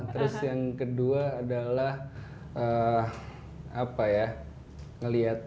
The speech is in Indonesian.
terus yang kedua adalah apa ya ngelihat